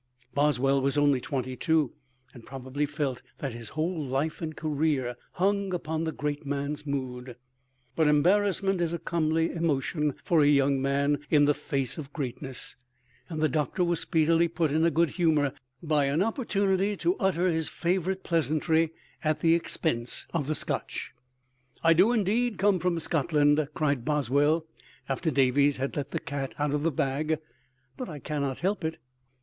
Boswell was only twenty two, and probably felt that his whole life and career hung upon the great man's mood. But embarrassment is a comely emotion for a young man in the face of greatness; and the Doctor was speedily put in a good humor by an opportunity to utter his favorite pleasantry at the expense of the Scotch. "I do, indeed, come from Scotland," cried Boswell, after Davies had let the cat out of the bag; "but I cannot help it."